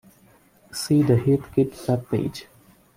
See the Heathkit web page.